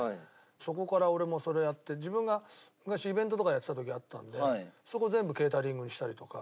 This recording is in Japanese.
そこから俺もそれやって自分が昔イベントとかやってた時あったんでそこ全部ケータリングにしたりとか。